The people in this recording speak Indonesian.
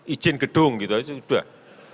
izin gedung gitu aja sudah